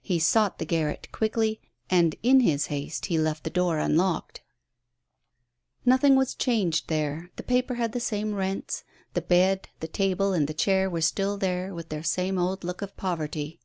He sought the garret quickly, and in his haste he left the door unlocked. 108 WON AT LAST. Nothing was changed there. The paper had the same rents; the bed, the table and the chair were still there, with their same old look of poverty.